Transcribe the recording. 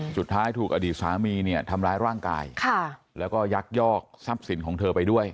สุดท้ายถูกอดีตสามีเนี่ยทำร้ายร่างกายแล้วก็ยักยอกทรัพย์สินของเธอไปด้วย